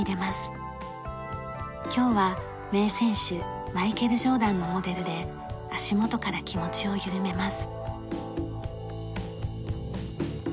今日は名選手マイケル・ジョーダンのモデルで足元から気持ちを緩めます。